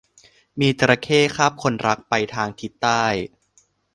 มีจระเข้คาบคนรักไปทางทิศใต้